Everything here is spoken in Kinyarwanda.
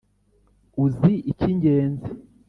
uzi icy'ingenzi.